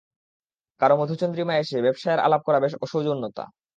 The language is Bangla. কারো মধুচন্দ্রিমায় এসে ব্যবসায়ের আলাপ করা বেশ অসৌজন্যতা!